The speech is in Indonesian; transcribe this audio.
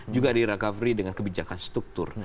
juga direcovery dengan kebijakan struktur